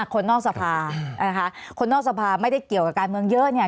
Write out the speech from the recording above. คนนอกสภาคนนอกสภาไม่ได้เกี่ยวกับการเมืองเยอะ